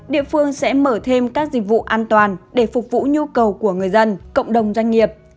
địa phương sẽ mở thêm các dịch vụ an toàn để phục vụ nhu cầu của người dân cộng đồng doanh nghiệp